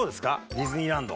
ディズニーランド。